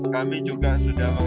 kami juga sudah